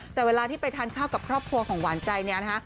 แต่เวลาที่ไปทานข้าวกับครอบครัวของหวานใจเนี่ยนะคะ